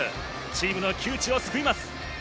チームの窮地を救います。